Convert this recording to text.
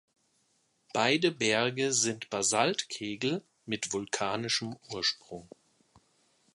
Beide Berge sind Basaltkegel mit vulkanischem Ursprung.